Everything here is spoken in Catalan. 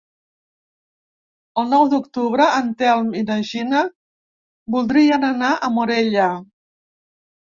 El nou d'octubre en Telm i na Gina voldrien anar a Morella.